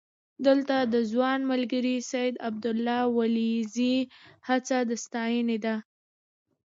دلته د ځوان ملګري سید عبدالله ولیزي هڅه د ستاینې ده.